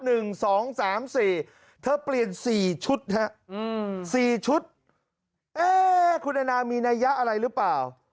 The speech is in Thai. แล้วเค้าเปลี่ยน๔ชุดครับ๔ชุดอ่ะคุณอันนามีนัยอะไรหรือป่าว